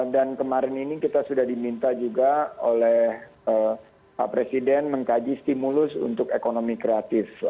dan kemarin ini kita sudah diminta juga oleh pak presiden mengkaji stimulus untuk ekonomi kreatif